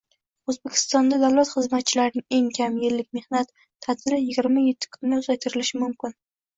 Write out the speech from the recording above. O‘zbekistonda davlat xizmatchilarining eng kam yillik mehnat ta’tiliyigirma yettikunga uzaytirilishi mumkin